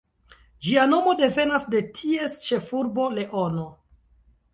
Ĝia nomo devenas de ties ĉefurbo Leono.